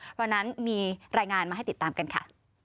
เพราะฉะนั้นมีรายงานมาให้ติดตามกันค่ะ